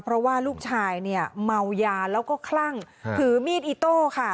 เพราะว่าลูกชายเนี่ยเมายาแล้วก็คลั่งถือมีดอิโต้ค่ะ